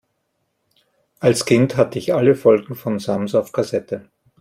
Als Kind hatte ich alle Folgen vom Sams auf Kassette.